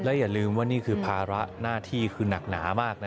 อย่าลืมว่านี่คือภาระหน้าที่คือหนักหนามาก